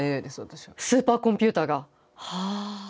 スーパーコンピューターが。はあ。